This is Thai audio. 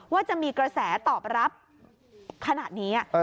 ว่าจะมีกระแสตอบรับขนาดนี้